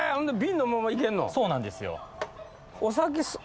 そうなんですよ。